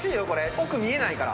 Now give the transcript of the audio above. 奥、見えないから。